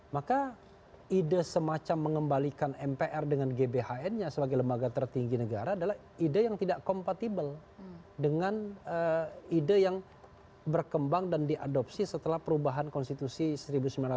maka ide semacam mengembalikan mpr dengan gbhn nya sebagai lembaga tertinggi negara adalah ide yang tidak compatible dengan ide yang berkembang dan diadopsi setelah perubahan konstitusionalisme